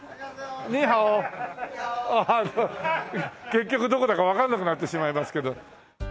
結局どこだかわかんなくなってしまいますけど。